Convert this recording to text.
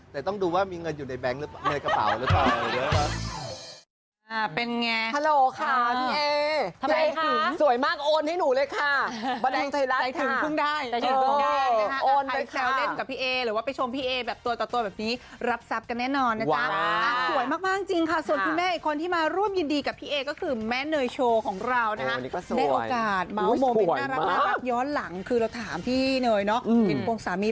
แต่ต้องดูว่ามีเงินในเงินกระเป๋าหรือเปล่า